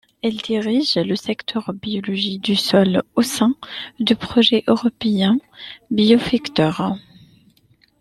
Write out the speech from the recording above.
Elle dirige le secteur biologie du sol au sein du projet européen Biofector.